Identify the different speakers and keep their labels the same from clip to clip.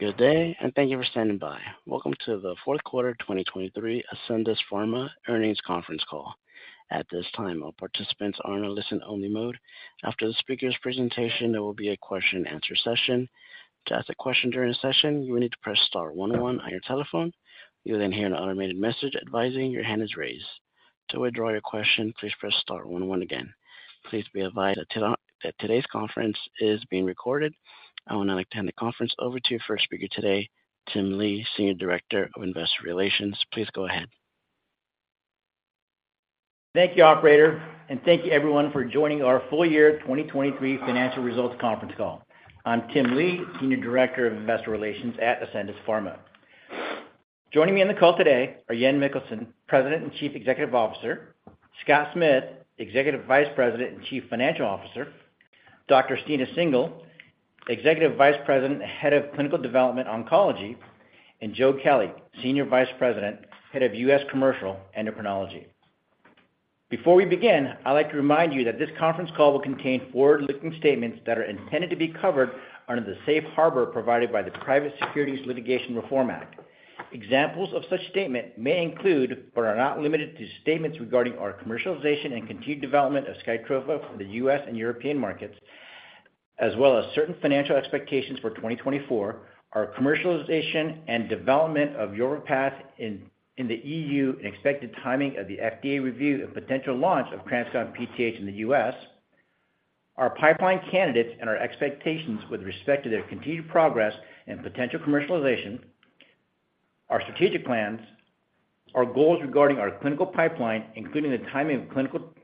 Speaker 1: Good day, and thank you for standing by. Welcome to the fourth quarter 2023 Ascendis Pharma earnings conference call. At this time, all participants are in a listen-only mode. After the speaker's presentation, there will be a question and answer session. To ask a question during the session, you will need to press star one one on your telephone. You'll then hear an automated message advising your hand is raised. To withdraw your question, please press star one one again. Please be advised that today's conference is being recorded. I want to hand the conference over to your first speaker today, Tim Lee, Senior Director of Investor Relations. Please go ahead.
Speaker 2: Thank you, Operator, and thank you everyone for joining our full year 2023 financial results conference call. I'm Tim Lee, Senior Director of Investor Relations at Ascendis Pharma. Joining me on the call today are Jan Møller Mikkelsen, President and Chief Executive Officer; Scott Smith, Executive Vice President and Chief Financial Officer; Dr. Stina Singel, Executive Vice President, Head of Clinical Development, Oncology; and Joe Kelly, Senior Vice President, Head of U.S. Commercial, Endocrinology. Before we begin, I'd like to remind you that this conference call will contain forward-looking statements that are intended to be covered under the safe harbor provided by the Private Securities Litigation Reform Act. Examples of such statements may include, but are not limited to, statements regarding our commercialization and continued development of SKYTROFA for the U.S. and European markets, as well as certain financial expectations for 2024, our commercialization and development of YORVIPATH in the EU and expected timing of the FDA review and potential launch of TransCon PTH in the U.S., our pipeline candidates and our expectations with respect to their continued progress and potential commercialization, our strategic plans, our goals regarding our clinical pipeline, including the timing of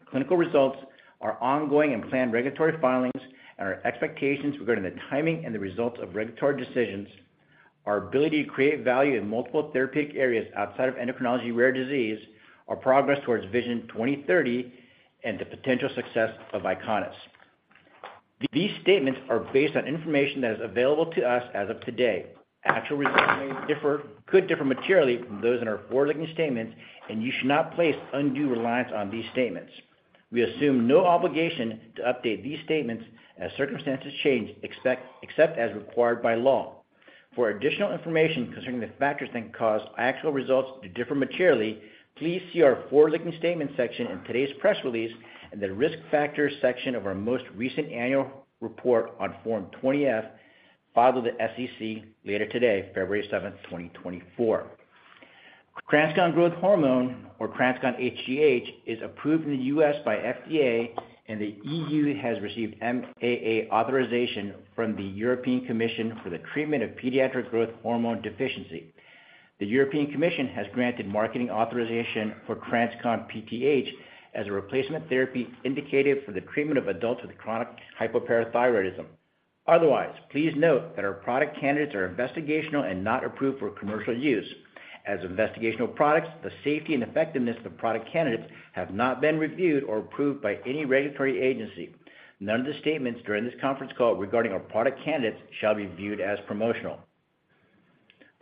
Speaker 2: clinical results, our ongoing and planned regulatory filings and our expectations regarding the timing and the results of regulatory decisions, our ability to create value in multiple therapeutic areas outside of endocrinology rare disease, our progress towards Vision 2030, and the potential success of Eyconis. These statements are based on information that is available to us as of today. Actual results may differ—could differ materially from those in our forward-looking statements, and you should not place undue reliance on these statements. We assume no obligation to update these statements as circumstances change, except as required by law. For additional information concerning the factors that can cause actual results to differ materially, please see our forward-looking statement section in today's press release and the Risk Factors section of our most recent annual report on Form 20-F, filed with the SEC later today, February 7, 2024. TransCon Growth Hormone, or TransCon hGH, is approved in the U.S. by FDA, and the EU has received MAA authorization from the European Commission for the treatment of pediatric growth hormone deficiency. The European Commission has granted marketing authorization for TransCon PTH as a replacement therapy indicated for the treatment of adults with chronic hypoparathyroidism. Otherwise, please note that our product candidates are investigational and not approved for commercial use. As investigational products, the safety and effectiveness of product candidates have not been reviewed or approved by any regulatory agency. None of the statements during this conference call regarding our product candidates shall be viewed as promotional.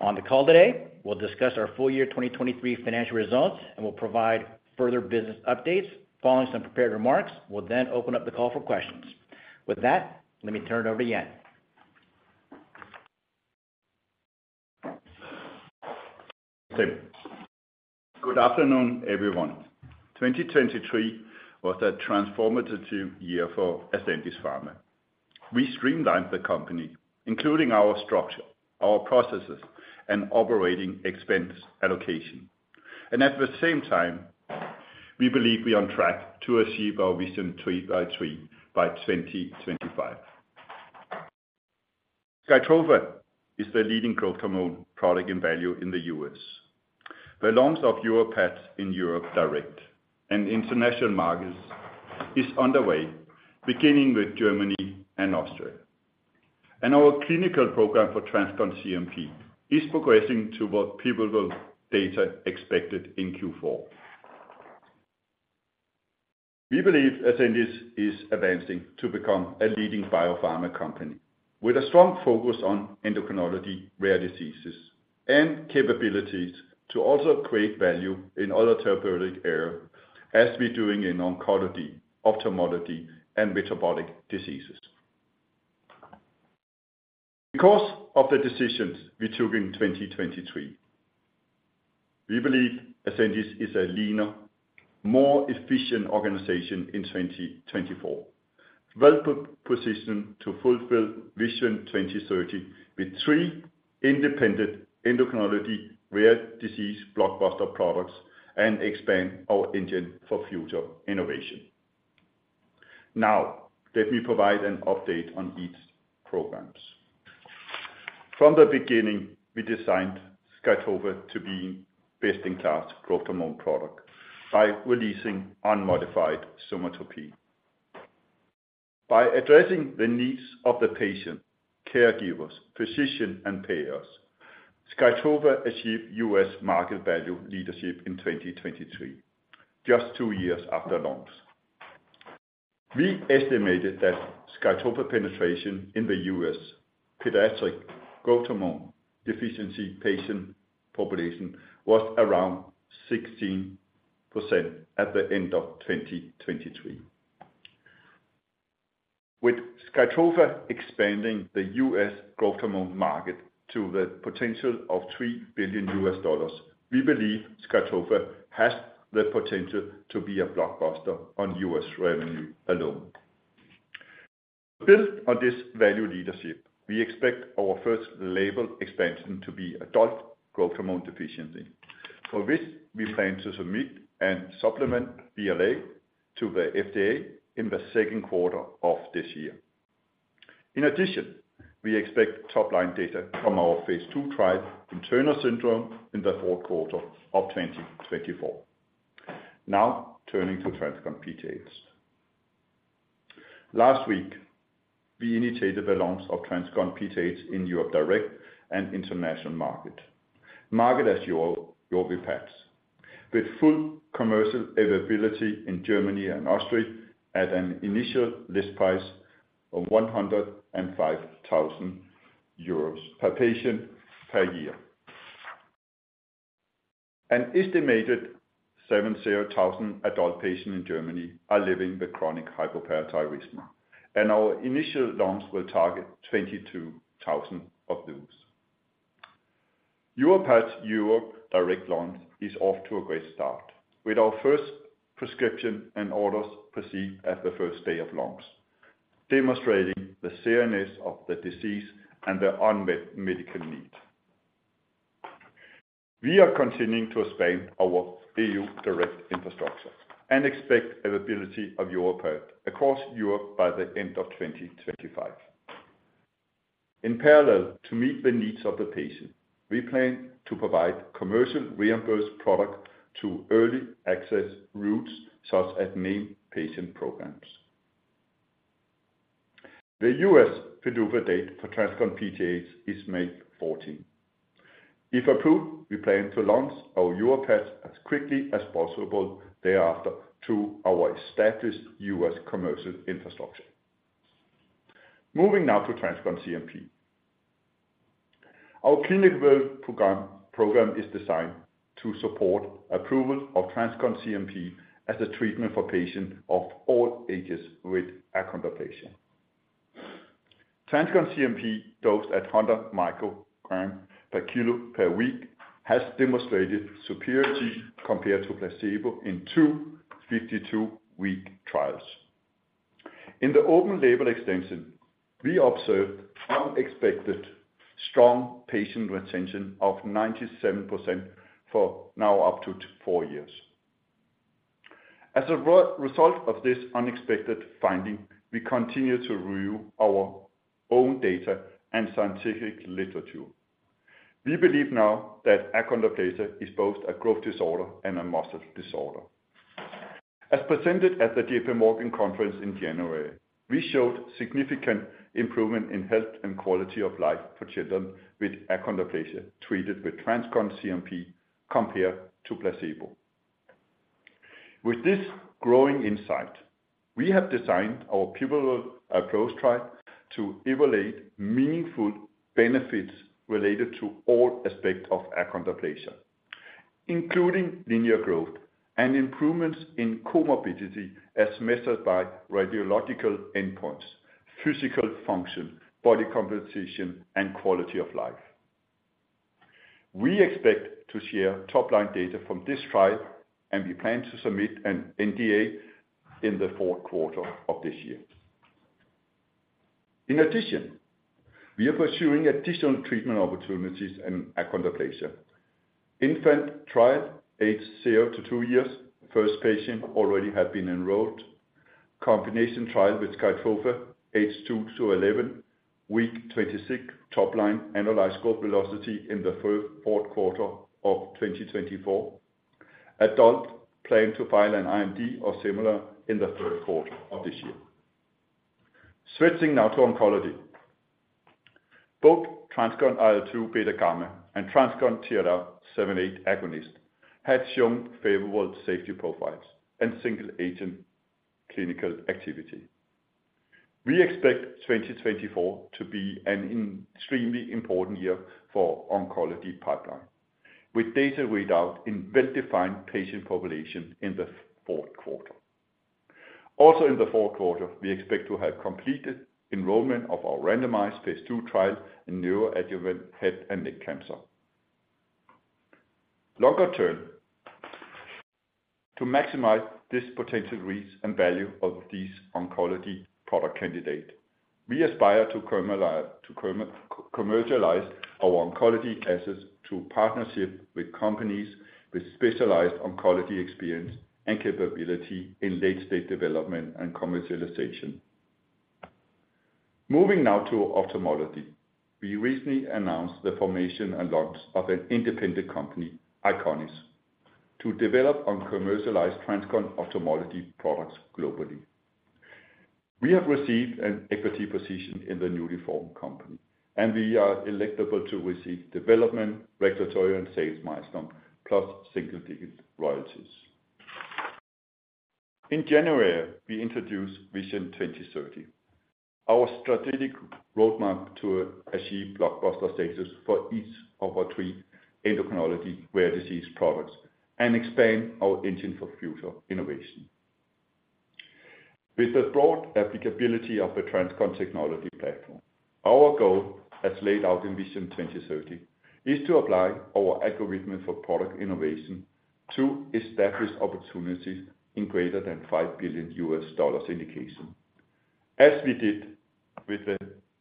Speaker 2: On the call today, we'll discuss our full year 2023 financial results, and we'll provide further business updates. Following some prepared remarks, we'll then open up the call for questions. With that, let me turn it over to Jan.
Speaker 3: Good afternoon, everyone. 2023 was a transformative year for Ascendis Pharma. We streamlined the company, including our structure, our processes, and operating expense allocation. At the same time, we believe we are on track to achieve our Vision 3x3 by 2025. SKYTROFA is the leading growth hormone product in value in the U.S. The launch of YORVIPATH in Europe Direct and international markets is underway, beginning with Germany and Austria. Our clinical program for TransCon CNP is progressing toward pivotal data expected in Q4. We believe Ascendis is advancing to become a leading biopharma company, with a strong focus on endocrinology, rare diseases, and capabilities to also create value in other therapeutic areas, as we're doing in oncology, ophthalmology, and metabolic diseases. Because of the decisions we took in 2023, we believe Ascendis is a leaner, more efficient organization in 2024. Well-positioned to fulfill Vision 2030 with three independent endocrinology rare disease blockbuster products, and expand our engine for future innovation. Now, let me provide an update on each programs. From the beginning, we designed SKYTROFA to be best-in-class growth hormone product by releasing unmodified somatropin. By addressing the needs of the patient, caregivers, physicians, and payers, SKYTROFA achieved U.S. market value leadership in 2023, just two years after launch. We estimated that SKYTROFA penetration in the U.S. pediatric growth hormone deficiency patient population was around 16% at the end of 2023. With SKYTROFA expanding the U.S. growth hormone market to the potential of $3 billion, we believe SKYTROFA has the potential to be a blockbuster on U.S. revenue alone. To build on this value leadership, we expect our first label expansion to be adult growth hormone deficiency, for which we plan to submit a supplemental BLA to the FDA in the second quarter of this year. In addition, we expect top line data from our phase II trial in Turner syndrome in the fourth quarter of 2024. Now, turning to TransCon PTH. Last week, we initiated the launch of TransCon PTH in Europe Direct and international markets with full commercial availability in Germany and Austria at an initial list price of 105,000 euros per patient per year. An estimated 70,000 adult patients in Germany are living with chronic hypoparathyroidism, and our initial launch will target 22,000 of those. YORVIPATH Europe Direct launch is off to a great start, with our first prescription and orders proceeding on the first day of launch, demonstrating the seriousness of the disease and the unmet medical need. We are continuing to expand our Europe Direct infrastructure and expect availability of YORVIPATH across Europe by the end of 2025. In parallel, to meet the needs of the patient, we plan to provide commercial reimbursed product to early access routes, such as named patient programs. The U.S. PDUFA date for TransCon PTH is May 14. If approved, we plan to launch our YORVIPATH as quickly as possible thereafter to our established U.S. commercial infrastructure. Moving now to TransCon CNP. Our clinical program is designed to support approval of TransCon CNP as a treatment for patients of all ages with achondroplasia. TransCon CNP, dosed at 100 microgram per kilo per week, has demonstrated superiority compared to placebo in two 52-week trials. In the open label extension, we observed unexpected strong patient retention of 97% for now up to four years. As a result of this unexpected finding, we continue to review our own data and scientific literature. We believe now that achondroplasia is both a growth disorder and a muscle disorder. As presented at the JPMorgan conference in January, we showed significant improvement in health and quality of life for children with achondroplasia, treated with TransCon CNP compared to placebo. With this growing insight, we have designed our pivotal COACH trial to evaluate meaningful benefits related to all aspects of achondroplasia, including linear growth and improvements in comorbidity as measured by radiological endpoints, physical function, body composition, and quality of life. We expect to share top line data from this trial, and we plan to submit an NDA in the fourth quarter of this year. In addition, we are pursuing additional treatment opportunities in achondroplasia. Infant trial, age 0-2 years, first patient already have been enrolled. Combination trial with SKYTROFA, age 2-11, week 26, top line, analyze scope velocity in the fourth quarter of 2024. Adult plan to file an IND or similar in the third quarter of this year. Switching now to oncology. Both TransCon IL-2 beta gamma and TransCon TLR7/8 agonist have shown favorable safety profiles and single agent clinical activity. We expect 2024 to be an extremely important year for oncology pipeline, with data read out in well-defined patient population in the fourth quarter. Also in the fourth quarter, we expect to have completed enrollment of our randomized phase II trial in neoadjuvant head and neck cancer. Longer term, to maximize this potential reach and value of these oncology product candidate, we aspire to commercialize our oncology assets through partnership with companies with specialized oncology experience and capability in late-stage development and commercialization. Moving now to ophthalmology. We recently announced the formation and launch of an independent company, Eyconis, to develop and commercialize TransCon ophthalmology products globally. We have received an equity position in the newly formed company, and we are eligible to receive development, regulatory, and sales milestone, plus single-digit royalties. In January, we introduced Vision 2030, our strategic roadmap to achieve blockbuster status for each of our three endocrinology rare disease products and expand our engine for future innovation. With the broad applicability of the TransCon technology platform, our goal, as laid out in Vision 2030, is to apply our algorithm for product innovation to establish opportunities in greater than $5 billion indication, as we did with the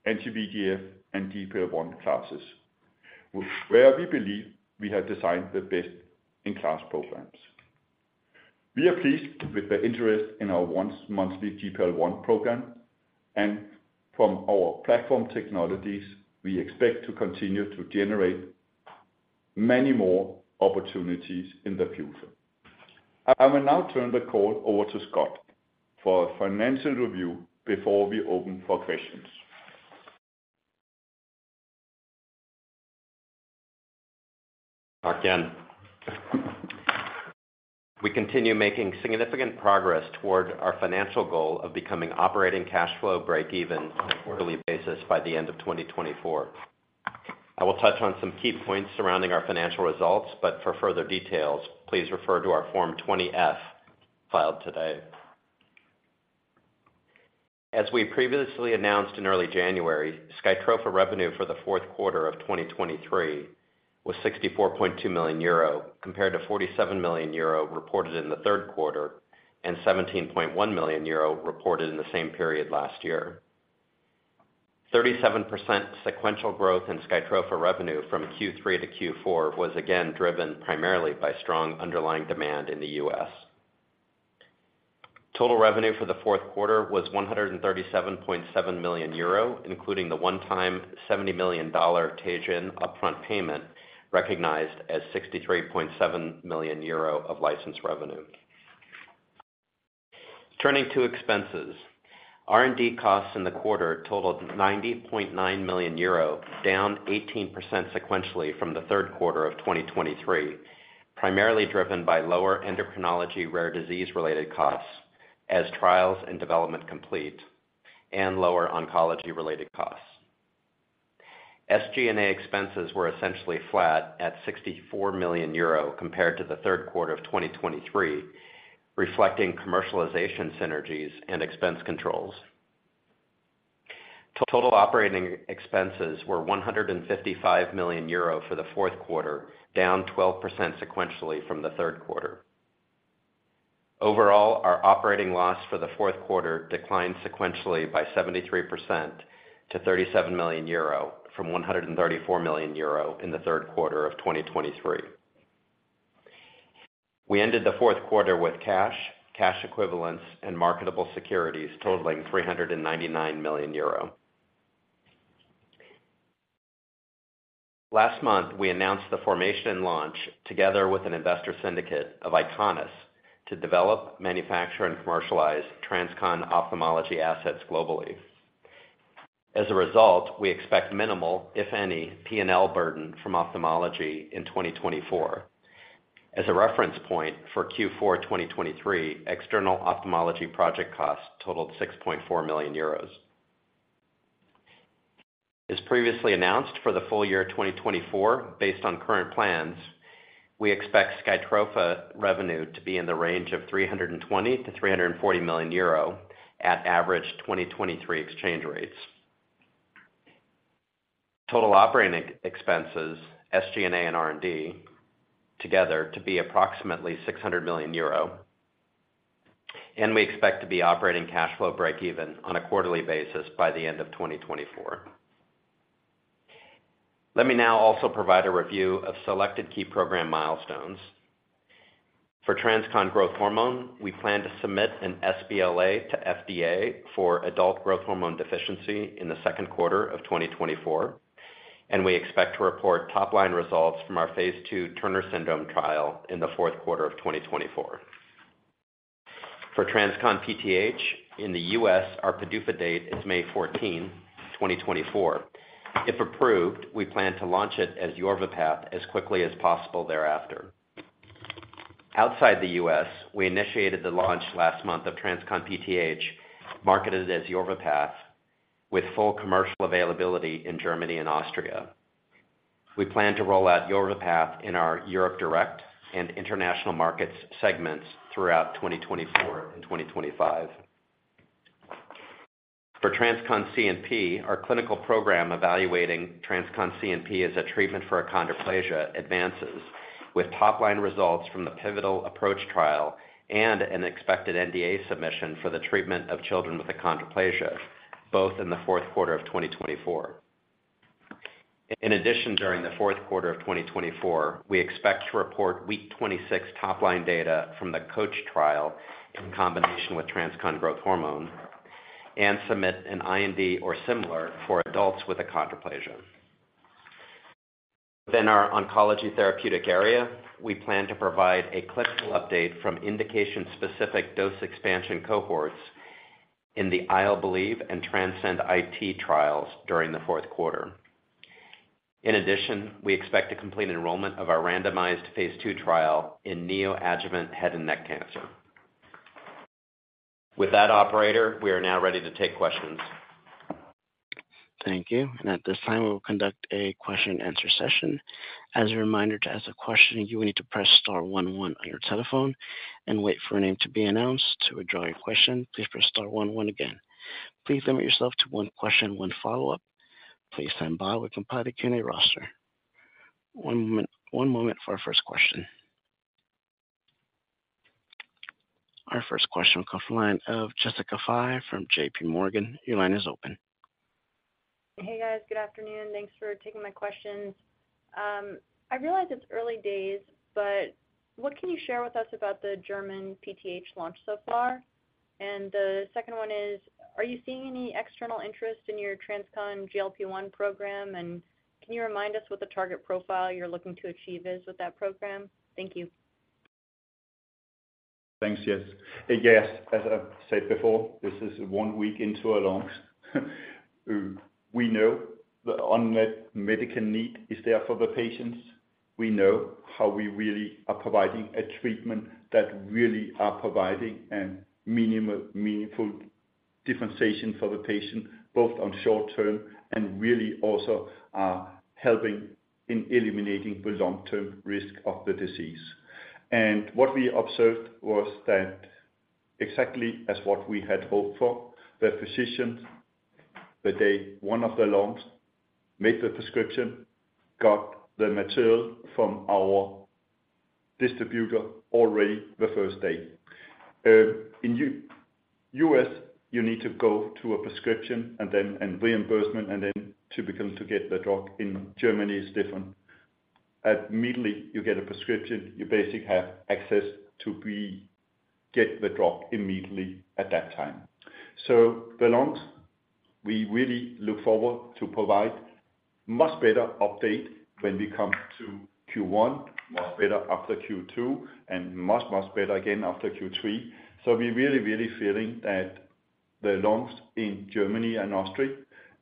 Speaker 3: NT-proBNP and GLP-1 classes, where we believe we have designed the best-in-class programs. We are pleased with the interest in our once-monthly GLP-1 program, and from our platform technologies, we expect to continue to generate many more opportunities in the future. I will now turn the call over to Scott for a financial review before we open for questions.
Speaker 4: Thank you. We continue making significant progress toward our financial goal of becoming operating cash flow breakeven on a quarterly basis by the end of 2024. I will touch on some key points surrounding our financial results, but for further details, please refer to our Form 20-F filed today. As we previously announced in early January, SKYTROFA revenue for the fourth quarter of 2023 was 64.2 million euro, compared to 47 million euro reported in the third quarter and 17.1 million euro reported in the same period last year. 37% sequential growth in SKYTROFA revenue from Q3 to Q4 was again driven primarily by strong underlying demand in the U.S. Total revenue for the fourth quarter was 137.7 million euro, including the one-time $70 million Teijin upfront payment, recognized as 63.7 million euro of license revenue. Turning to expenses, R&D costs in the quarter totaled 90.9 million euro, down 18% sequentially from the third quarter of 2023, primarily driven by lower endocrinology, rare disease-related costs as trials and development complete, and lower oncology-related costs. SG&A expenses were essentially flat at 64 million euro compared to the third quarter of 2023, reflecting commercialization synergies and expense controls. Total operating expenses were 155 million euro for the fourth quarter, down 12% sequentially from the third quarter. Overall, our operating loss for the fourth quarter declined sequentially by 73% to 37 million euro, from 134 million euro in the third quarter of 2023. We ended the fourth quarter with cash, cash equivalents, and marketable securities totaling 399 million euro. Last month, we announced the formation and launch, together with an investor syndicate of Eyconis, to develop, manufacture and commercialize TransCon Ophthalmology assets globally. As a result, we expect minimal, if any, P&L burden from Ophthalmology in 2024. As a reference point for Q4 2023, external Ophthalmology project costs totaled 6.4 million euros. As previously announced, for the full year 2024, based on current plans, we expect SKYTROFA revenue to be in the range of 320 million-340 million euro at average 2023 exchange rates. Total operating expenses, SG&A and R&D, together to be approximately 600 million euro, and we expect to be operating cash flow breakeven on a quarterly basis by the end of 2024. Let me now also provide a review of selected key program milestones. For TransCon Growth Hormone, we plan to submit an sBLA to FDA for adult growth hormone deficiency in the second quarter of 2024, and we expect to report top-line results from our phase II Turner Syndrome trial in the fourth quarter of 2024. For TransCon PTH, in the U.S., our PDUFA date is May 14, 2024. If approved, we plan to launch it as YORVIPATH as quickly as possible thereafter. Outside the U.S., we initiated the launch last month of TransCon PTH, marketed as YORVIPATH, with full commercial availability in Germany and Austria. We plan to roll out YORVIPATH in our Europe Direct and International Markets segments throughout 2024 and 2025. For TransCon CNP, our clinical program evaluating TransCon CNP as a treatment for achondroplasia advances, with top-line results from the pivotal APPROACH trial and an expected NDA submission for the treatment of children with achondroplasia, both in the fourth quarter of 2024. In addition, during the fourth quarter of 2024, we expect to report week 26 top-line data from the COACH trial in combination with TransCon Growth Hormone and submit an IND or similar for adults with achondroplasia. Within our oncology therapeutic area, we plan to provide a clinical update from indication-specific dose expansion cohorts in the IL-Believe and TranscendIT trials during the fourth quarter. In addition, we expect to complete enrollment of our randomized phase II trial in neoadjuvant head and neck cancer. With that, operator, we are now ready to take questions.
Speaker 1: Thank you. And at this time, we will conduct a question and answer session. As a reminder, to ask a question, you will need to press star one one on your telephone and wait for a name to be announced. To withdraw your question, please press star one one again. Please limit yourself to one question, one follow-up. Please stand by. We compile the Q&A roster. One moment, one moment for our first question. Our first question comes from the line of Jessica Fye from JPMorgan. Your line is open.
Speaker 5: Hey, guys. Good afternoon. Thanks for taking my questions. I realize it's early days, but what can you share with us about the German PTH launch so far? And the second one is: Are you seeing any external interest in your TransCon GLP-1 program, and can you remind us what the target profile you're looking to achieve is with that program? Thank you.
Speaker 3: Thanks, yes. Hey, yes, as I've said before, this is one week into our launch. We know the unmet medical need is there for the patients. We know how we really are providing a treatment that really are providing a meaningful differentiation for the patient, both on short-term and really also, helping in eliminating the long-term risk of the disease. What we observed was that exactly as what we had hoped for, the physicians, the day one of the launch, made the prescription, got the material from our distributor already the first day. In the U.S., you need to go to a prescription and then, and reimbursement, and then typically to get the drug. In Germany, it's different. Immediately, you get a prescription, you basically have access to we get the drug immediately at that time. So the launch, we really look forward to provide much better update when we come to Q1, much better after Q2, and much, much better again after Q3. So we're really, really feeling that the launch in Germany and Austria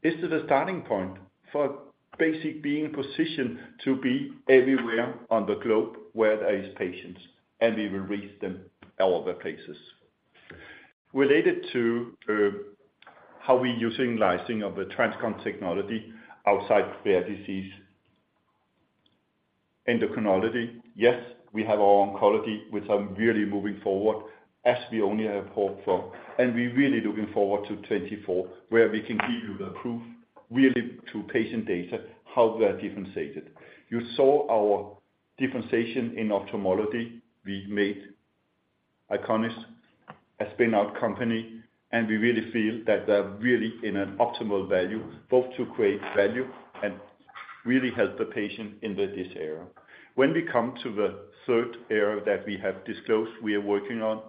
Speaker 3: is the starting point for basically being positioned to be everywhere on the globe where there is patients, and we will reach them all the places. Related to how we're using licensing of the TransCon technology outside rare disease endocrinology, yes, we have our oncology, which are really moving forward as we only have hoped for, and we're really looking forward to 2024, where we can give you the proof, really to patient data, how we are differentiated. You saw our differentiation in ophthalmology. We made Eyconis a spin-out company, and we really feel that they're really in an optimal value, both to create value and really help the patient in this area. When we come to the third area that we have disclosed, we are working on,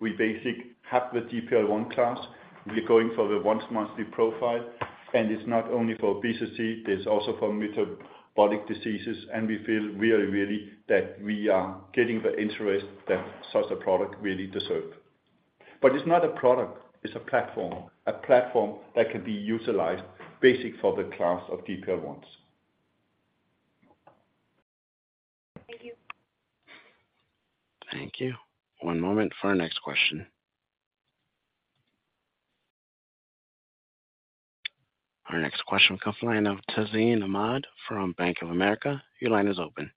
Speaker 3: we basically have the GLP-1 class. We're going for the once monthly profile, and it's not only for obesity, it's also for metabolic diseases. We feel really, really that we are getting the interest that such a product really deserve. It's not a product, it's a platform. A platform that can be utilized basically for the class of GLP-1s.
Speaker 5: Thank you.
Speaker 1: Thank you. One moment for our next question. Our next question comes from the line of Tazeen Ahmad from Bank of America. Your line is open.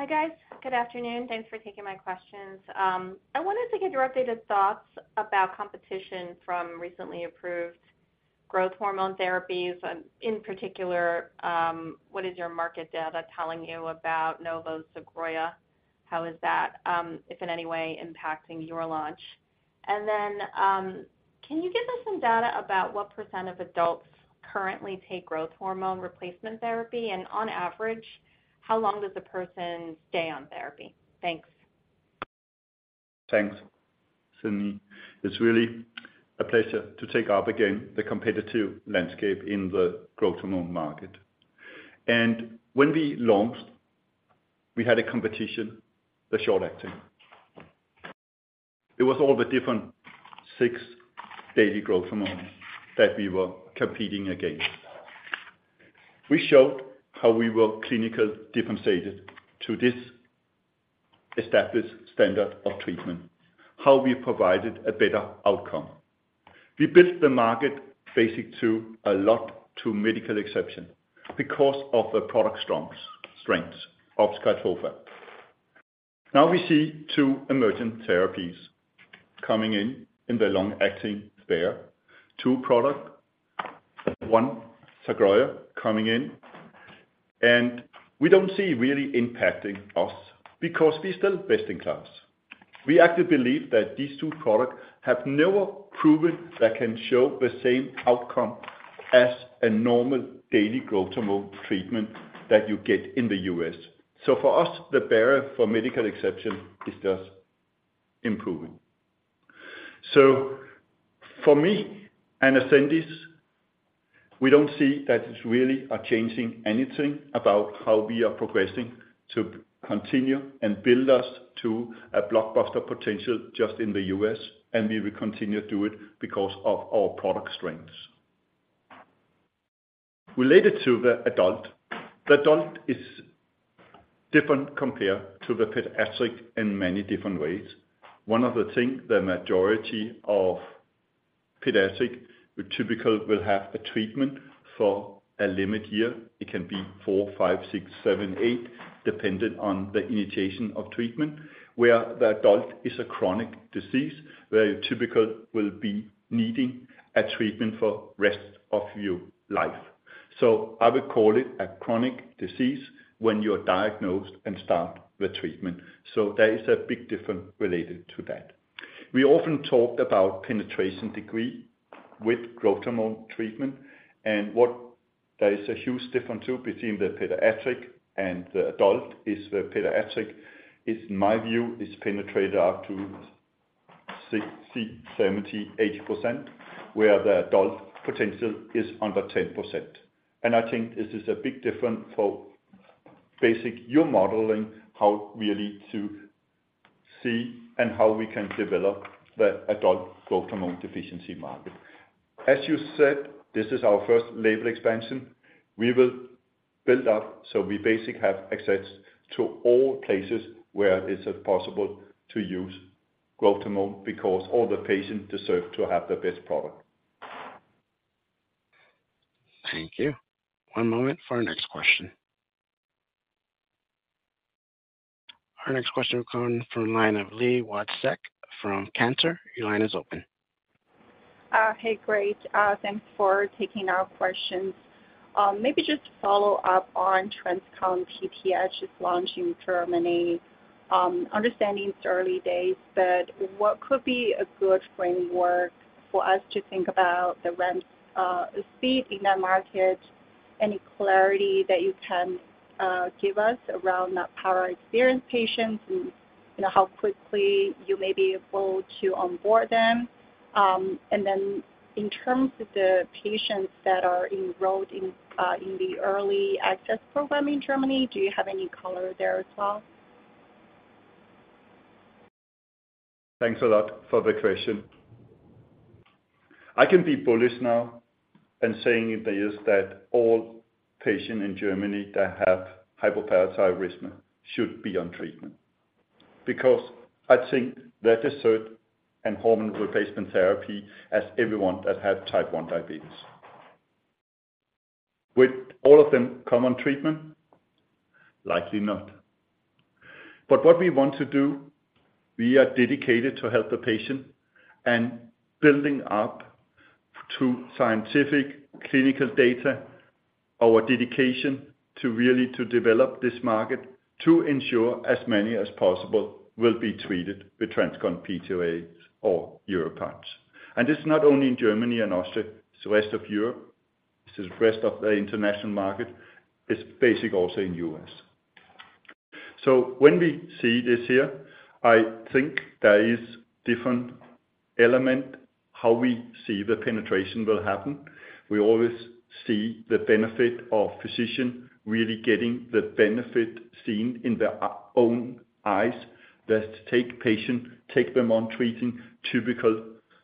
Speaker 6: Hi, guys. Good afternoon. Thanks for taking my questions. I wanted to get your updated thoughts about competition from recently approved growth hormone therapies. In particular, what is your market data telling you about Novo Sogroya? How is that, if in any way, impacting your launch? And then, can you give us some data about what percent of adults currently take growth hormone replacement therapy? And on average, how long does a person stay on therapy? Thanks.
Speaker 3: Thanks, Tazeen. It's really a pleasure to take up again the competitive landscape in the growth hormone market. When we launched, we had a competition, the short acting. It was all the different six daily growth hormones that we were competing against. We showed how we were clinically differentiated to this established standard of treatment, how we provided a better outcome. We built the market basics to a lot of medical exceptions because of the product strengths of SKYTROFA. Now, we see two emerging therapies coming in, in the long-acting sphere. Two products, one, Sogroya, coming in, and we don't see really impacting us because we're still best in class. We actually believe that these two products have never proven they can show the same outcome as a normal daily growth hormone treatment that you get in the U.S.. So for us, the barrier for medical exception is just improving. So for me and Ascendis, we don't see that it's really are changing anything about how we are progressing to continue and build us to a blockbuster potential just in the U.S., and we will continue to do it because of our product strengths... Related to the adult, the adult is different compared to the pediatric in many different ways. One of the things, the majority of pediatric, who typically will have a treatment for a limited year, it can be four, five, six, seven, eight, depending on the initiation of treatment, where the adult is a chronic disease, where you typically will be needing a treatment for rest of your life. So I would call it a chronic disease when you are diagnosed and start the treatment. So there is a big difference related to that. We often talk about penetration degree with growth hormone treatment, and what there is a huge difference, too, between the pediatric and the adult, is the pediatric, is in my view, is penetrated up to 60, 70, 80%, where the adult potential is under 10%. And I think this is a big difference for basic your modeling, how really to see and how we can develop the adult growth hormone deficiency market. As you said, this is our first label expansion. We will build up, so we basically have access to all places where it is possible to use growth hormone, because all the patients deserve to have the best product.
Speaker 1: Thank you. One moment for our next question. Our next question will come from line of Li Watsek from Cantor. Your line is open.
Speaker 7: Hey, great. Thanks for taking our questions. Maybe just to follow up on TransCon PTH just launching in Germany. Understanding it's early days, but what could be a good framework for us to think about the ramp, speed in that market? Any clarity that you can give us around that prior experienced patients, and how quickly you may be able to onboard them? And then in terms of the patients that are enrolled in the early access program in Germany, do you have any color there as well?
Speaker 3: Thanks a lot for the question. I can be bullish now in saying this, that all patients in Germany that have hypoparathyroidism should be on treatment, because I think that is third in hormone replacement therapy as everyone that had type one diabetes. Will all of them come on treatment? Likely not. But what we want to do, we are dedicated to help the patient and building up to scientific clinical data, our dedication to really to develop this market to ensure as many as possible will be treated with TransCon PTH or YORVIPATH. And it's not only in Germany and Austria, it's the rest of Europe, it's the rest of the international market, it's basically also in the U.S. So when we see this here, I think there is different element how we see the penetration will happen. We always see the benefit of physician really getting the benefit seen in their own eyes. That take patient, take them on treating typical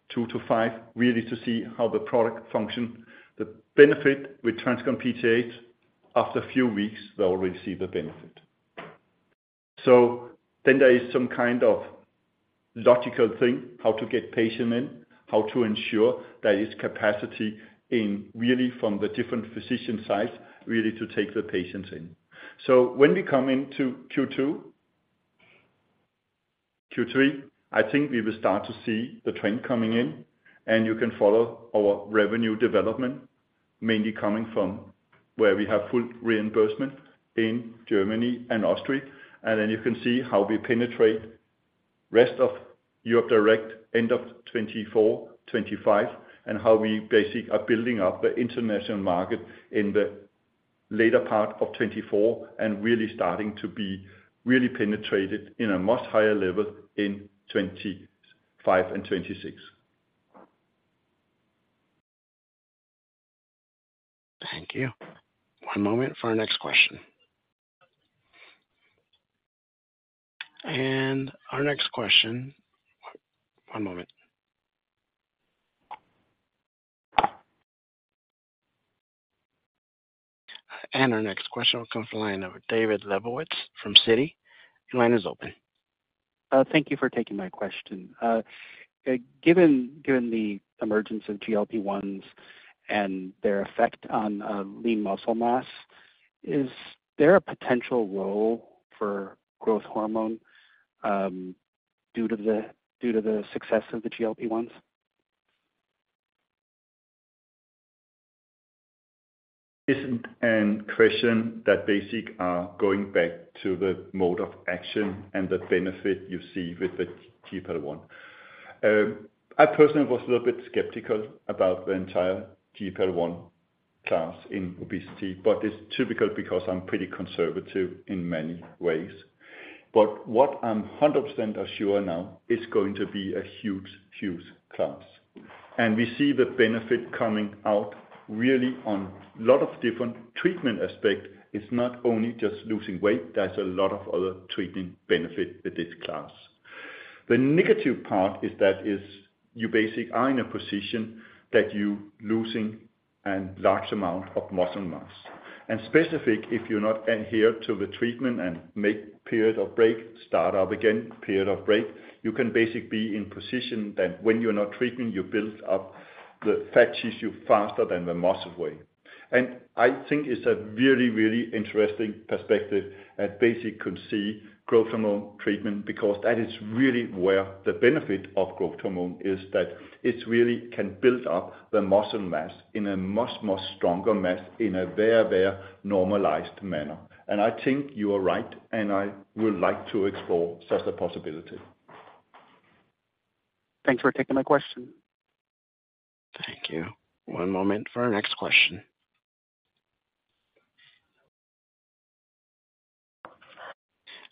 Speaker 3: two-five, really to see how the product function. The benefit with TransCon PTH, after a few weeks, they already see the benefit. So then there is some kind of logical thing, how to get patient in, how to ensure there is capacity in really from the different physician sites, really to get to take the patients in. So when we come into Q2, Q3, I think we will start to see the trend coming in, and you can follow our revenue development, mainly coming from where we have full reimbursement in Germany and Austria. Then you can see how we penetrate rest of Europe Direct end of 2024, 2025, and how we basically are building up the international market in the later part of 2024, and really starting to be really penetrated in a much higher level in 2025 and 2026.
Speaker 1: Thank you. One moment for our next question. Our next question will come from the line of David Lebowitz from Citi. Your line is open.
Speaker 8: Thank you for taking my question. Given the emergence of GLP-1s and their effect on lean muscle mass, is there a potential role for growth hormone due to the success of the GLP-1s?
Speaker 3: It's a question that basically goes back to the mode of action and the benefit you see with the GLP-1. I personally was a little bit skeptical about the entire GLP-1 class in obesity, but that's typical because I'm pretty conservative in many ways. But what I'm 100% assured now, it's going to be a huge, huge class. And we see the benefit coming out really on a lot of different treatment aspects. It's not only just losing weight, there's a lot of other treatment benefits with this class. The negative part is that is, you basically are in a position that you're losing a large amount of muscle mass. Specifically, if you're not adhere to the treatment and make period of break, start up again, period of break, you can basically be in position that when you're not treating, you build up the fat tissue faster than the muscle weight. I think it's a really, really interesting perspective, and basically could see growth hormone treatment, because that is really where the benefit of growth hormone is, that it really can build up the muscle mass in a much, much stronger mass in a very, very normalized manner. I think you are right, and I would like to explore such a possibility.
Speaker 8: Thanks for taking my question.
Speaker 1: Thank you. One moment for our next question.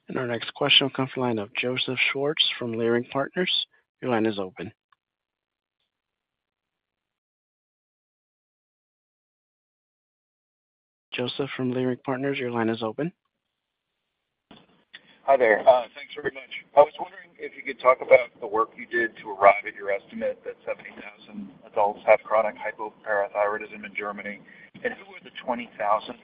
Speaker 1: And our next question will come from the line of Joseph Schwartz, from Leerink Partners. Your line is open. Joseph from Leerink Partners, your line is open.
Speaker 9: Hi there, thanks very much. I was wondering if you could talk about the work you did to arrive at your estimate that 70,000 adults have chronic hypoparathyroidism in Germany, and who are the 20,000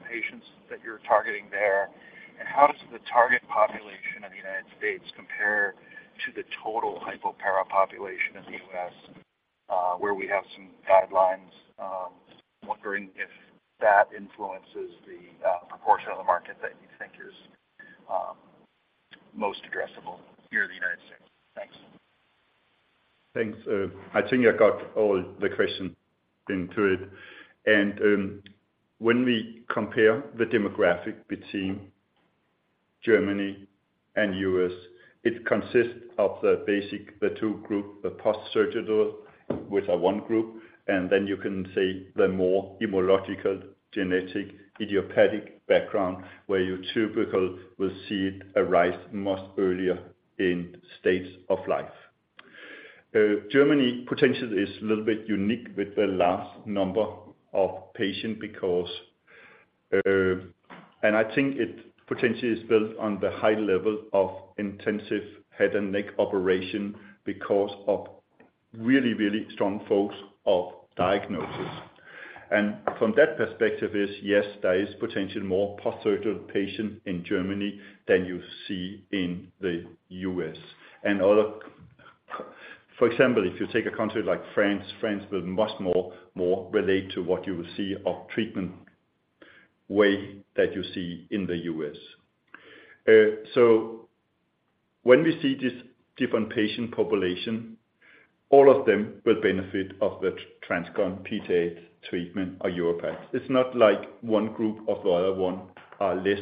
Speaker 9: patients that you're targeting there? And how does the target population in the United States compare to the total hypopara population in the U.S., where we have some guidelines? Wondering if that influences the proportion of the market that you think is most addressable here in the United States. Thanks.
Speaker 3: Thanks. I think I got all the questions into it. And when we compare the demographics between Germany and U.S., it consists of the basics, the two groups, the post-surgical, which are one group, and then you can say the more immunological, genetic, idiopathic background, where you typically will see it arise much earlier in stages of life. Germany potentially is a little bit unique with the large number of patients because, and I think it potentially is built on the high level of intensive head and neck operations because of really, really strong focus of diagnosis. And from that perspective is, yes, there is potentially more post-surgical patients in Germany than you see in the U.S. For example, if you take a country like France, France will much more relate to what you will see of treatment way that you see in the U.S.. So when we see this different patient population, all of them will benefit of the TransCon PTH treatment or YORVIPATH. It's not like one group or the other one are less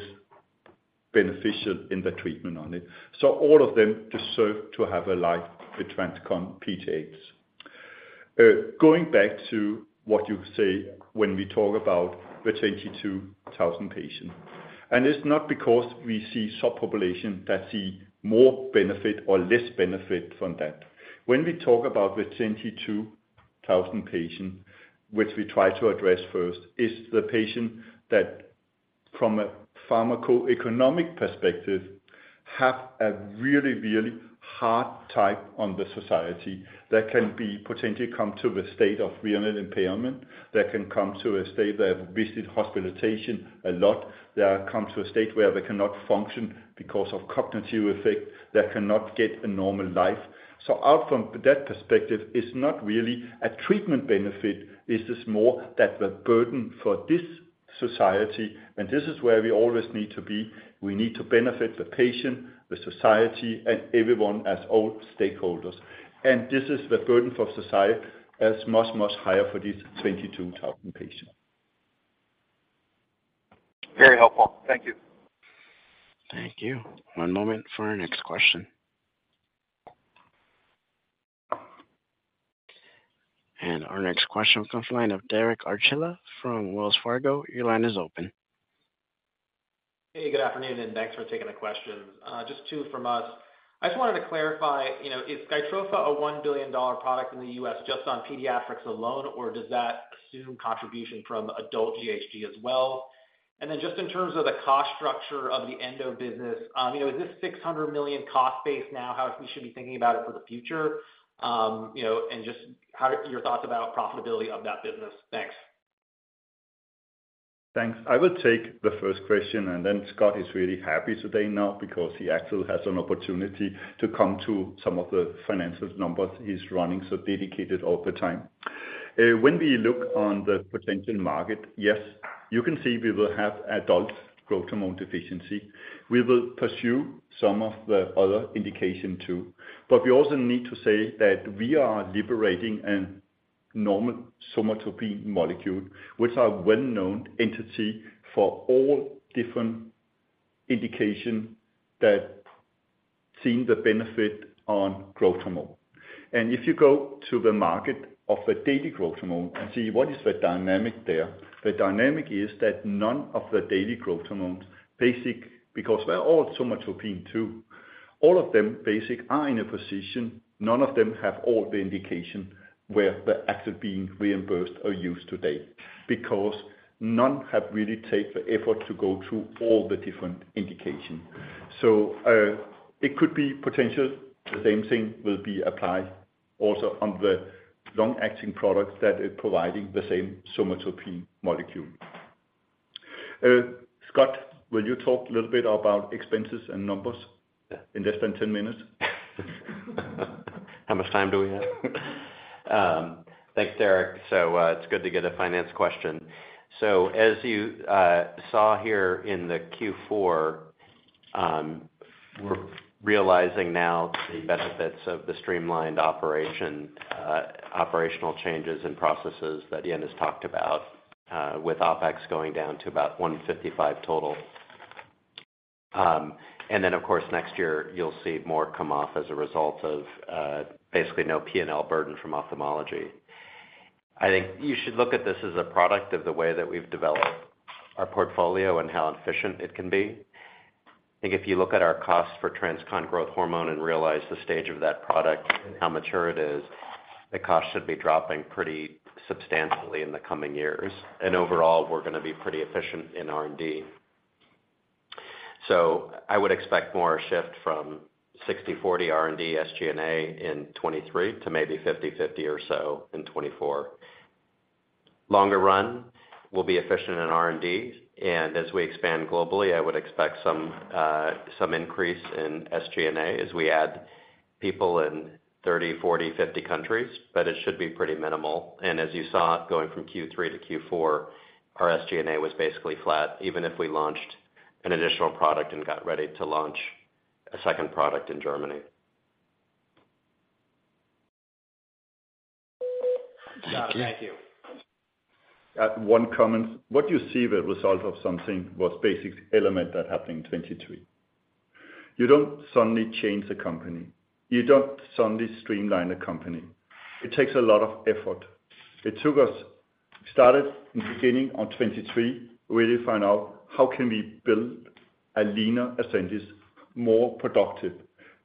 Speaker 3: beneficial in the treatment on it. So all of them deserve to have a life with TransCon PTH. Going back to what you say when we talk about the 22,000 patients, and it's not because we see subpopulation that see more benefit or less benefit from that. When we talk about the 22,000 patients, which we try to address first, is the patient that from a pharmacoeconomic perspective, have a really, really hard time on the society, that can be potentially come to the state of renal impairment, that can come to a state that visit hospitalization a lot. They are come to a state where they cannot function because of cognitive effect, they cannot get a normal life. So out from that perspective, it's not really a treatment benefit, it is more that the burden for this society, and this is where we always need to be. We need to benefit the patient, the society, and everyone as all stakeholders. And this is the burden for society as much, much higher for these 22,000 patients.
Speaker 9: Very helpful. Thank you.
Speaker 1: Thank you. One moment for our next question. Our next question comes from the line of Derek Archila from Wells Fargo. Your line is open.
Speaker 10: Hey, good afternoon, and thanks for taking the questions. Just two from us. I just wanted to clarify, you know, is SKYTROFA a $1 billion product in the U.S. just on pediatrics alone, or does that assume contribution from adult GHD as well? And then just in terms of the cost structure of the Endo business, you know, is this $600 million cost base now how we should be thinking about it for the future? You know, and just how are your thoughts about profitability of that business? Thanks.
Speaker 3: Thanks. I will take the first question, and then Scott is really happy today now because he actually has an opportunity to come to some of the financial numbers he's running so dedicated all the time. When we look on the potential market, yes, you can see we will have adult growth hormone deficiency. We will pursue some of the other indication, too. But we also need to say that we are liberating a normal somatropin molecule, which are well-known entity for all different indication that seen the benefit on growth hormone. And if you go to the market of a daily growth hormone and see what is the dynamic there, the dynamic is that none of the daily growth hormones, basically because they're all somatropin too. All of them basically are in a position, none of them have all the indications where they're actually being reimbursed or used today, because none have really taken the effort to go through all the different indications. So, potentially the same thing will be applied also on the long-acting products that are providing the same somatropin molecule. Scott, will you talk a little bit about expenses and numbers?
Speaker 4: Yeah.
Speaker 3: In less than 10 minutes?
Speaker 4: How much time do we have? Thanks, Derek. So, it's good to get a finance question. So as you saw here in the Q4, we're realizing now the benefits of the streamlined operation, operational changes and processes that Jan has talked about, with OpEx going down to about 155 million total. And then of course, next year you'll see more come off as a result of, basically no P&L burden from ophthalmology. I think you should look at this as a product of the way that we've developed our portfolio and how efficient it can be. I think if you look at our costs for TransCon Growth Hormone and realize the stage of that product and how mature it is, the cost should be dropping pretty substantially in the coming years. And overall, we're going to be pretty efficient in R&D. So I would expect more shift from 60/40 R&D SG&A in 2023 to maybe 50/50 or so in 2024. Longer run, we'll be efficient in R&D, and as we expand globally, I would expect some increase in SG&A as we add people in 30, 40, 50 countries, but it should be pretty minimal. And as you saw, going from Q3 to Q4, our SG&A was basically flat, even if we launched an additional product and got ready to launch a second product in Germany.
Speaker 10: Thank you.
Speaker 3: One comment. What you see [is] the result of something [that] was [a] basic element that happened in 2023. You don't suddenly change the company. You don't suddenly streamline the company. It takes a lot of effort. It took us, [we] started in [the] beginning [of] 2023, [to] really find out how [we] can build a leaner Ascendis, more productive,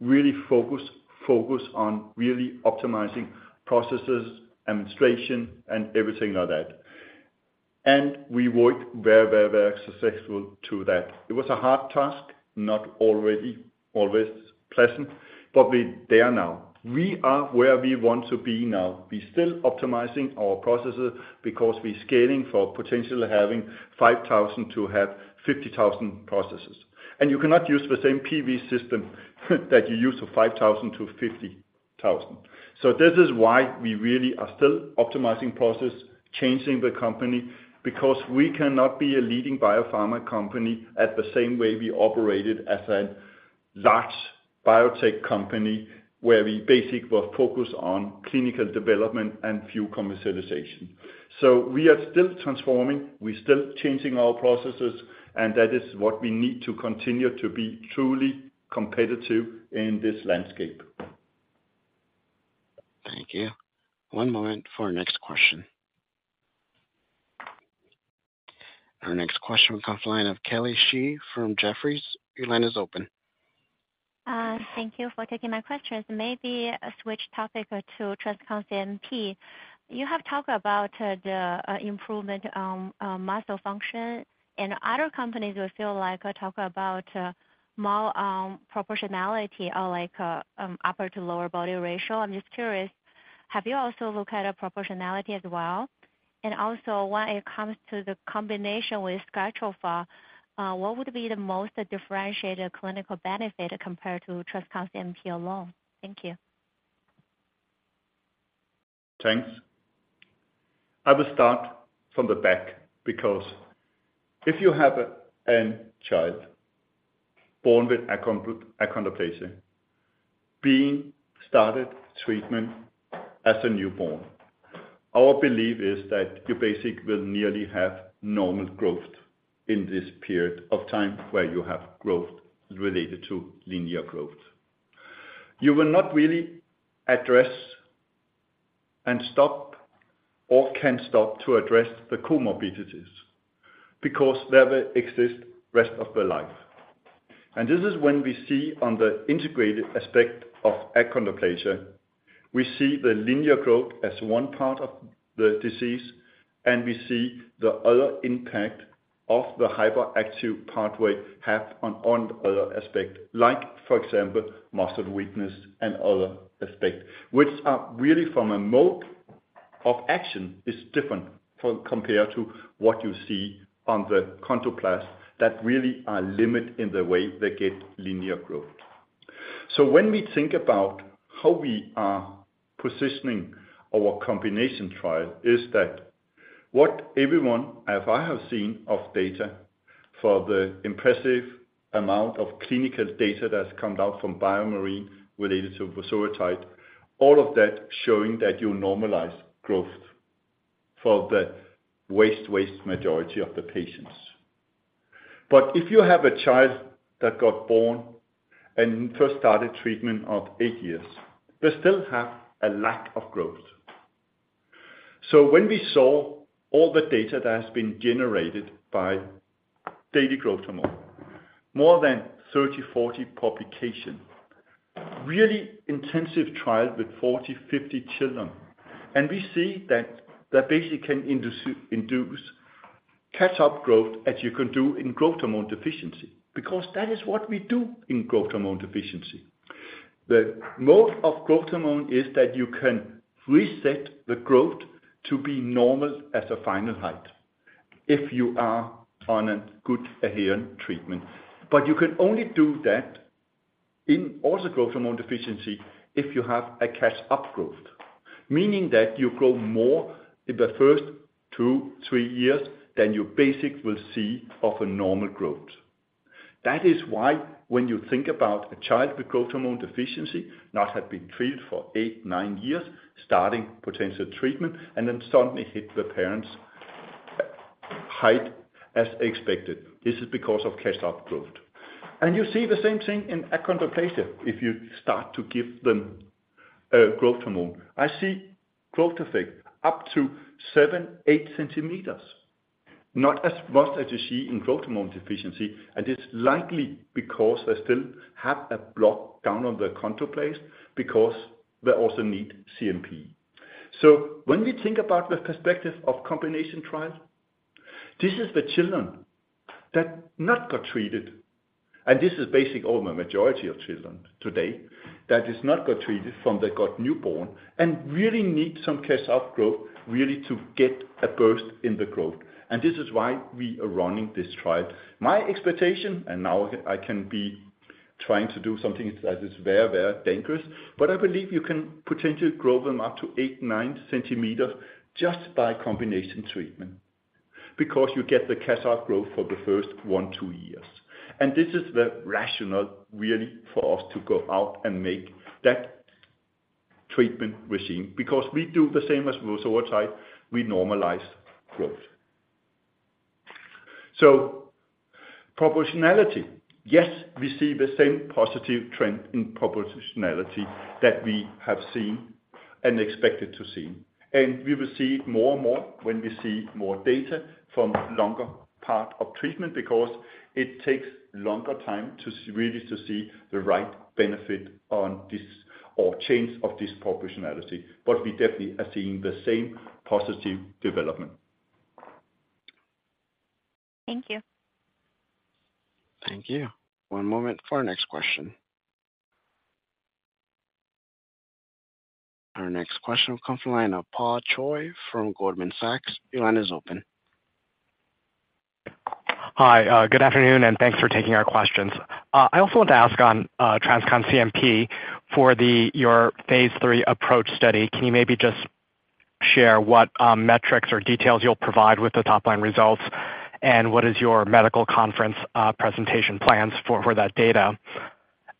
Speaker 3: really focus, focus on really optimizing processes, administration, and everything like that. And we worked very, very, very successfully to that. It was a hard task, not always pleasant, but we're there now. We are where we want to be now. We're still optimizing our processes because we're scaling for potentially having 5,000-50,000 processes. And you cannot use the same PV system that you use for 5,000-50,000. This is why we really are still optimizing process, changing the company, because we cannot be a leading biopharma company at the same way we operated as a large biotech company, where we basically were focused on clinical development and few commercialization. We are still transforming, we're still changing our processes, and that is what we need to continue to be truly competitive in this landscape.
Speaker 1: Thank you. One moment for our next question. Our next question comes from the line of Kelly Shi from Jefferies. Your line is open.
Speaker 11: Thank you for taking my questions. Maybe switch topic to TransCon CNP. You have talked about the improvement on muscle function, and other companies feel like I talk about more proportionality or like upper to lower body ratio. I'm just curious: have you also looked at proportionality as well? And also, when it comes to the combination with somatropin, what would be the most differentiated clinical benefit compared to TransCon CNP alone? Thank you.
Speaker 3: Thanks. I will start from the back, because if you have a child born with achondroplasia, being started treatment as a newborn, our belief is that you basically will nearly have normal growth in this period of time where you have growth related to linear growth. You will not really address and stop, or can stop to address the comorbidities, because they will exist rest of their life. And this is when we see on the integrated aspect of achondroplasia, we see the linear growth as one part of the disease, and we see the other impact of the hyperactive pathway have on other aspect, like for example, muscle weakness and other aspect, which are really from a mode of action, is different from compared to what you see on the chondroblast, that really are limit in the way they get linear growth. So when we think about how we are positioning our combination trial, is that what everyone, as I have seen of data, for the impressive amount of clinical data that's come out from BioMarin related to vosoritide, all of that showing that you normalize growth for the vast, vast majority of the patients. But if you have a child that got born and first started treatment at eight years, they still have a lack of growth. So when we saw all the data that has been generated by daily growth hormone, more than 30, 40 publications, really intensive trial with 40, 50 children. And we see that that basically can induce catch-up growth as you can do in growth hormone deficiency, because that is what we do in growth hormone deficiency. The mode of growth hormone is that you can reset the growth to be normal as a final height if you are on a good adherent treatment. But you can only do that in also growth hormone deficiency if you have a catch-up growth, meaning that you grow more in the first two, three years than you basically will see of a normal growth. That is why when you think about a child with growth hormone deficiency, not have been treated for eight, nine years, starting potential treatment, and then suddenly hit the parents' height as expected. This is because of catch-up growth. And you see the same thing in achondroplasia if you start to give them growth hormone. I see growth effect up to 7-8 centimeters, not as much as you see in growth hormone deficiency, and it's likely because they still have a block down on the achondroplasia, because they also need CNP. So when we think about the perspective of combination trial, this is the children that not got treated, and this is basically over a majority of children today, that has not got treated from they got newborn and really need some catch-up growth, really to get a burst in the growth. And this is why we are running this trial. My expectation, and now I can be trying to do something that is very, very dangerous, but I believe you can potentially grow them up to 8-9 centimeters just by combination treatment, because you get the catch-up growth for the first one-two years. This is the rationale, really, for us to go out and make that treatment regimen, because we do the same as vosoritide, we normalize growth. So proportionality. Yes, we see the same positive trend in proportionality that we have seen and expected to see. And we will see it more and more when we see more data from longer part of treatment, because it takes longer time to really see the right benefit on this or change of this proportionality. But we definitely are seeing the same positive development.
Speaker 11: Thank you.
Speaker 1: Thank you. One moment for our next question. Our next question comes from the line of Paul Choi from Goldman Sachs. Your line is open.
Speaker 12: Hi, good afternoon, and thanks for taking our questions. I also want to ask on TransCon CNP for your phase III APPROACH study. Can you maybe just share what metrics or details you'll provide with the top-line results? And what is your medical conference presentation plans for that data?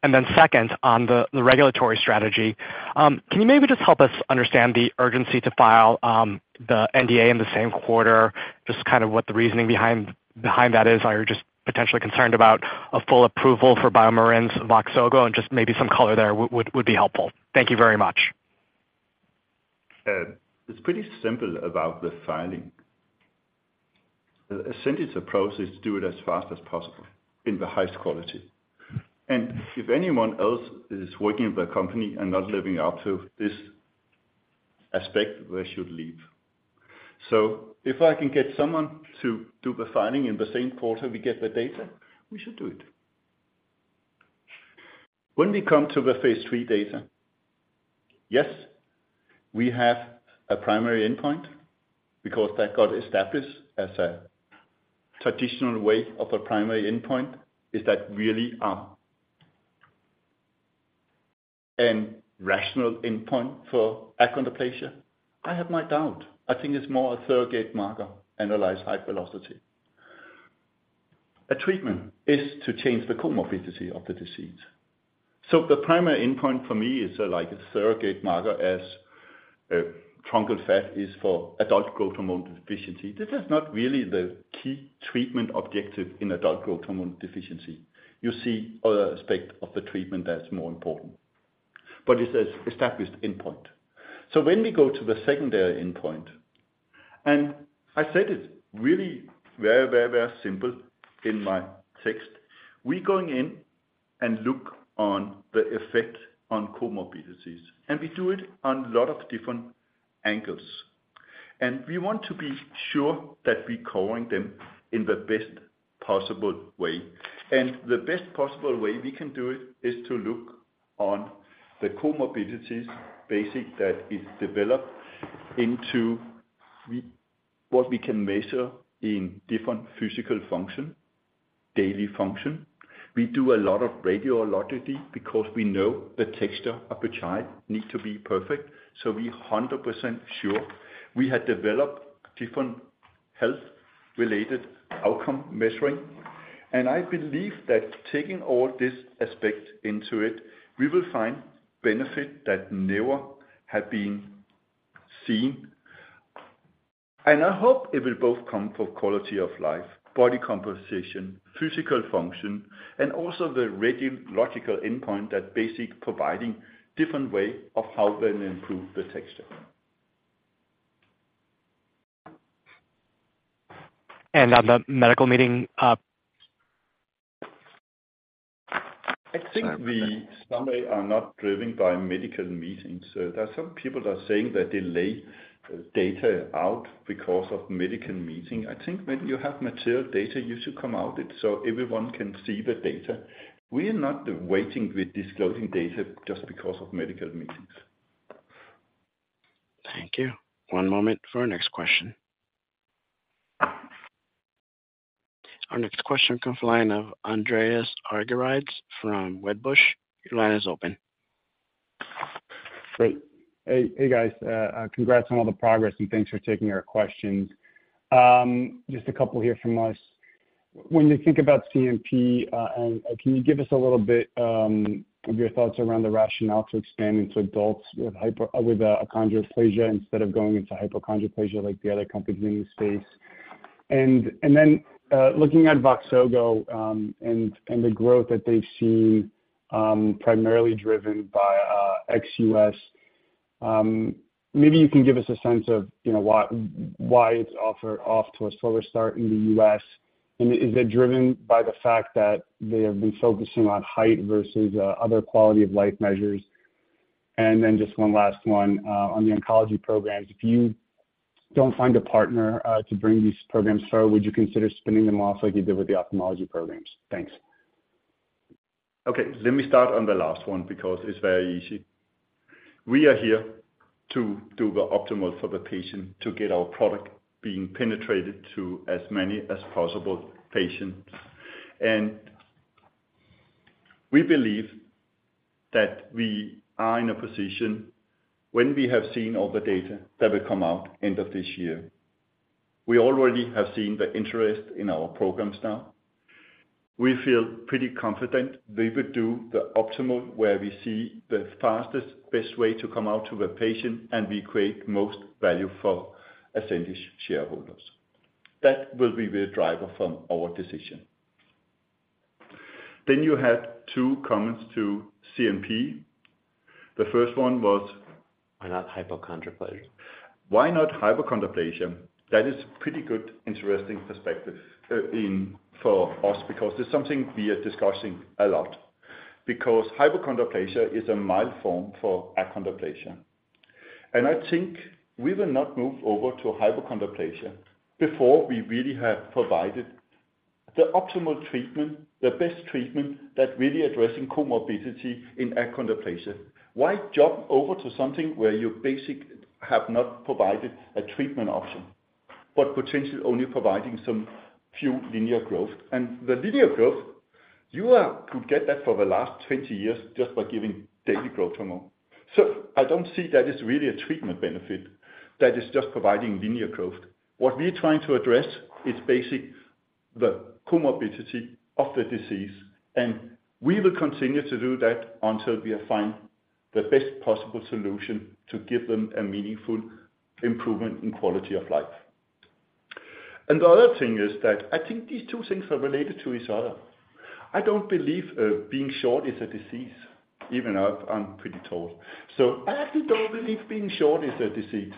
Speaker 12: And then second, on the regulatory strategy, can you maybe just help us understand the urgency to file the NDA in the same quarter, just kind of what the reasoning behind that is? Are you just potentially concerned about a full approval for BioMarin's Voxzogo? And just maybe some color there would be helpful. Thank you very much.
Speaker 3: It's pretty simple about the filing. Ascendis's approach is do it as fast as possible in the highest quality. And if anyone else is working with a company and not living up to this aspect, they should leave. So if I can get someone to do the filing in the same quarter we get the data, we should do it. When we come to the phase III data, yes, we have a primary endpoint because that got established as a traditional way of a primary endpoint. Is that really a rational endpoint for achondroplasia? I have my doubt. I think it's more a surrogate marker, annualized height velocity. A treatment is to change the comorbidity of the disease. So the primary endpoint for me is like a surrogate marker, as truncal fat is for adult growth hormone deficiency. This is not really the key treatment objective in adult growth hormone deficiency. You see other aspect of the treatment that's more important, but it's an established endpoint. So when we go to the secondary endpoint, and I said it really very, very, very simple in my text, we're going in and look on the effect on comorbidities, and we do it on a lot of different angles, and we want to be sure that we're covering them in the best possible way. And the best possible way we can do it is to look on the comorbidities basic that is developed into what we can measure in different physical function, daily function. We do a lot of radiology because we know the texture of the child needs to be perfect, so we're 100% sure. We have developed different health-related outcome measures, and I believe that taking all these aspects into account, we will find benefits that have never been seen. I hope it will both come for quality of life, body composition, physical function, and also the radiological endpoint, that basically providing a different way of how we're going to improve the stature.
Speaker 12: On the medical meeting,
Speaker 3: I think we in some way are not driven by medical meetings. So there are some people that are saying that they lay data out because of medical meetings. I think when you have material data, you should come out with it so everyone can see the data. We are not waiting with disclosing data just because of medical meetings.
Speaker 1: Thank you. One moment for our next question. Our next question comes line of Andreas Argyrides from Wedbush. Your line is open.
Speaker 13: Great. Hey, hey, guys, congrats on all the progress, and thanks for taking our questions. Just a couple here from us. When you think about CNP, and can you give us a little bit of your thoughts around the rationale to expand into adults with achondroplasia instead of going into hypochondroplasia, like the other companies in the space? And then, looking at Voxzogo, and the growth that they've seen, primarily driven by ex-U.S., maybe you can give us a sense of, you know, why it's off to a slower start in the U.S. And is it driven by the fact that they have been focusing on height versus other quality of life measures? And then just one last one on the oncology programs. If you don't find a partner, to bring these programs forward, would you consider spinning them off like you did with the ophthalmology programs? Thanks.
Speaker 3: Okay, let me start on the last one, because it's very easy. We are here to do the optimal for the patient, to get our product being penetrated to as many as possible patients. And we believe that we are in a position when we have seen all the data that will come out end of this year. We already have seen the interest in our programs now. We feel pretty confident we will do the optimal, where we see the fastest, best way to come out to the patient, and we create most value for Ascendis shareholders. That will be the driver from our decision. Then you had two comments to CNP. The first one was-
Speaker 13: Why not hypochondroplasia?
Speaker 3: Why not hypochondroplasia? That is pretty good, interesting perspective in for us, because it's something we are discussing a lot. Because hypochondroplasia is a mild form of achondroplasia, and I think we will not move over to hypochondroplasia before we really have provided the optimal treatment, the best treatment that really addressing comorbidity in achondroplasia. Why jump over to something where you basically have not provided a treatment option, but potentially only providing some few linear growth? And the linear growth, you could get that for the last 20 years just by giving daily growth hormone. So I don't see that as really a treatment benefit, that is just providing linear growth. What we are trying to address is basic, the comorbidity of the disease, and we will continue to do that until we have find the best possible solution to give them a meaningful improvement in quality of life. The other thing is that I think these two things are related to each other. I don't believe, being short is a disease, even I, I'm pretty tall. I actually don't believe being short is a disease,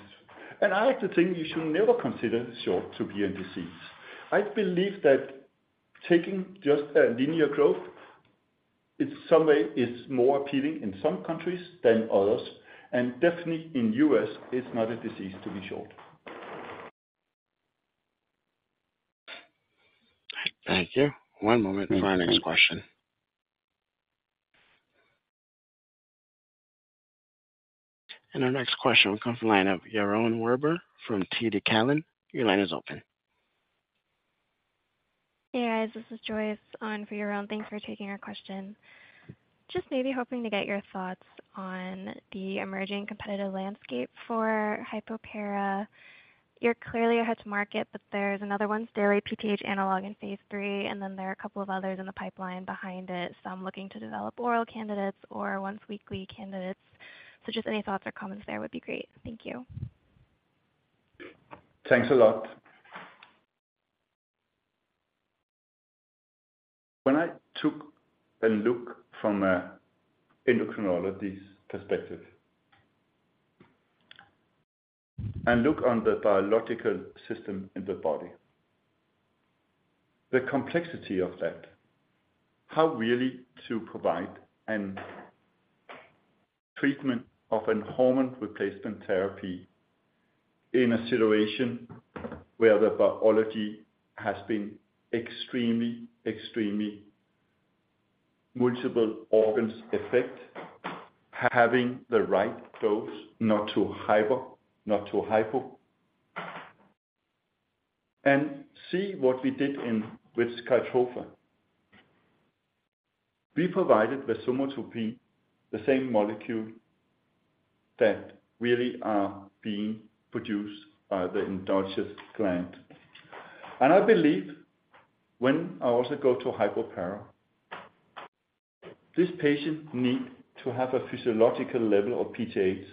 Speaker 3: and I like to think you should never consider short to be a disease. I believe that taking just a linear growth is some way is more appealing in some countries than others, and definitely in the U.S., it's not a disease to be short.
Speaker 1: Thank you. One moment for our next question. Our next question will come from line of Yaron Werber from TD Cowen. Your line is open.
Speaker 14: Hey, guys, this is Joyce on for Yaron. Thanks for taking our question. Just maybe hoping to get your thoughts on the emerging competitive landscape for hypopara. You're clearly ahead to market, but there's another once-daily PTH analog in phase III, and then there are a couple of others in the pipeline behind it. Some looking to develop oral candidates or once-weekly candidates. So just any thoughts or comments there would be great. Thank you.
Speaker 3: Thanks a lot. When I took a look from an endocrinology perspective and look on the biological system in the body, the complexity of that, how really to provide an treatment of an hormone replacement therapy in a situation where the biology has been extremely, extremely multiple organs affect, having the right dose, not too hyper, not too hypo. And see what we did with SKYTROFA. We provided with somatropin, the same molecule that really are being produced by the endogenous gland. And I believe when I also go to hypopara, this patient need to have a physiological level of PTH,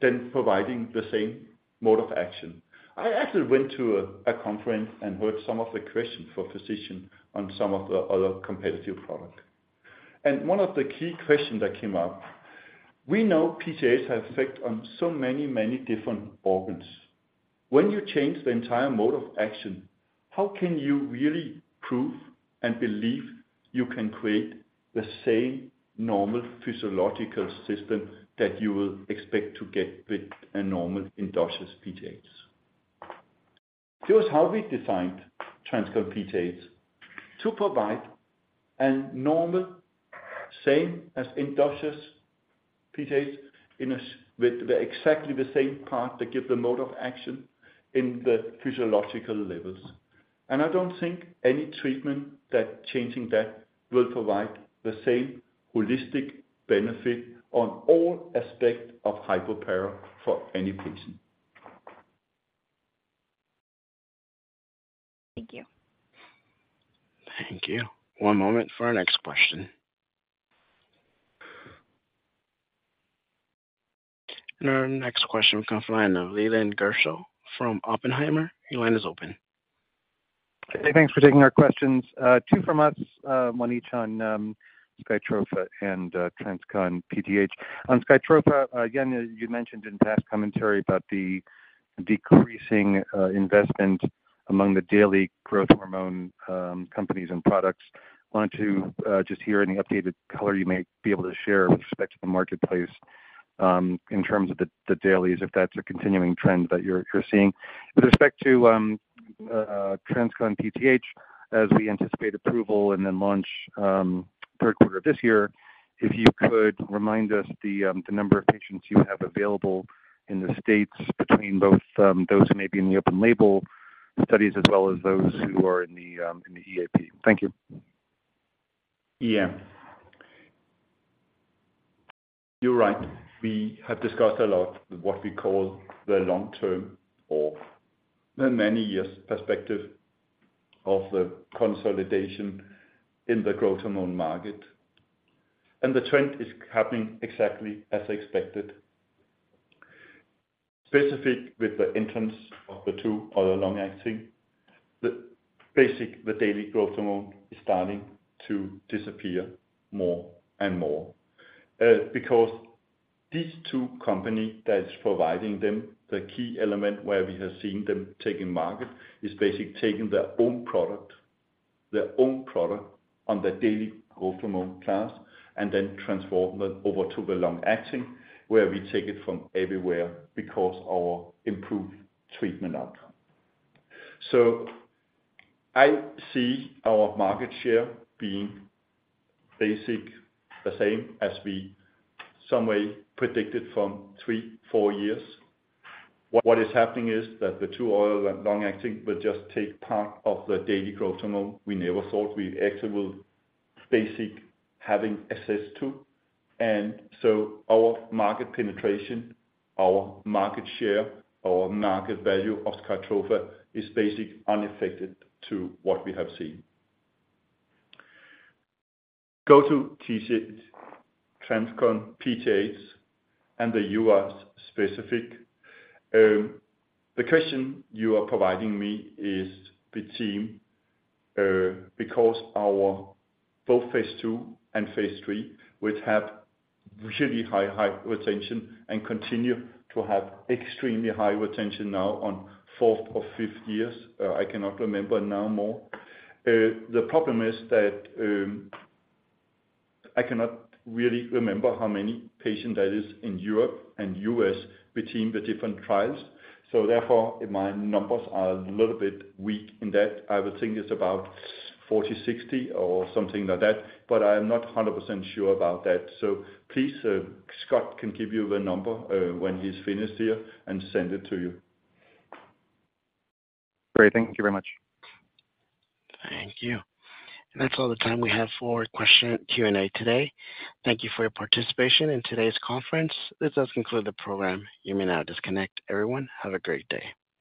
Speaker 3: then providing the same mode of action. I actually went to a conference and heard some of the questions for physician on some of the other competitive product. And one of the key questions that came up... We know PTH have effect on so many, many different organs. When you change the entire mode of action, how can you really prove and believe you can create the same normal physiological system that you will expect to get with a normal endogenous PTH? Here's how we designed TransCon PTH: to provide a normal, same as endogenous PTH, in a, with the exactly the same part that give the mode of action in the physiological levels. And I don't think any treatment that changing that will provide the same holistic benefit on all aspect of hypoparathyroidism for any patient.
Speaker 14: Thank you.
Speaker 1: Thank you. One moment for our next question. Our next question will come from the line of Leland Gershell from Oppenheimer. Your line is open.
Speaker 15: Hey, thanks for taking our questions, two from us, one each on SKYTROFA and TransCon PTH. On SKYTROFA, again, as you mentioned in past commentary about the decreasing investment among the daily growth hormone companies and products, wanted to just hear any updated color you may be able to share with respect to the marketplace in terms of the dailies, if that's a continuing trend that you're seeing. With respect to TransCon PTH, as we anticipate approval and then launch third quarter of this year, if you could remind us the number of patients you have available in the States between both those who may be in the open label studies, as well as those who are in the EAP. Thank you.
Speaker 3: Yeah. You're right. We have discussed a lot what we call the long term or the many years perspective of the consolidation in the growth hormone market, and the trend is happening exactly as expected. Specific with the entrance of the two other long-acting, the basic, the daily growth hormone is starting to disappear more and more. Because these two company that is providing them, the key element where we have seen them taking market, is basically taking their own product, their own product on the daily growth hormone class, and then transform them over to the long-acting, where we take it from everywhere because our improved treatment outcome. So I see our market share being basic, the same as we someway predicted from three, four years. What is happening is that the two other long-acting will just take part of the daily growth hormone. We never thought we actually will basic having access to. And so our market penetration, our market share, our market value of SKYTROFA is basic, unaffected to what we have seen. Go to TC, TransCon PTH and the U.S. specific. The question you are providing me is between, because our both phase II and phase III, which have really high, high retention and continue to have extremely high retention now on fourth or fifth years, I cannot remember now more. The problem is that, I cannot really remember how many patient that is in Europe and U.S. between the different trials. So therefore, my numbers are a little bit weak in that. I would think it's about 40, 60 or something like that, but I'm not 100% sure about that. So please, Scott can give you the number when he's finished here and send it to you.
Speaker 15: Great. Thank you very much.
Speaker 1: Thank you. That's all the time we have for questions, Q&A today. Thank you for your participation in today's conference. This does conclude the program. You may now disconnect. Everyone, have a great day.